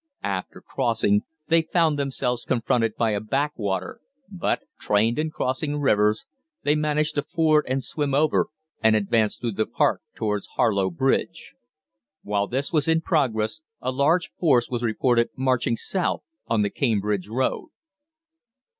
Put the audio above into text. After crossing, they found themselves confronted by a backwater, but, trained in crossing rivers, they managed to ford and swim over, and advanced through the park towards Harlow Bridge. While this was in progress, a large force was reported marching south on the Cambridge Road.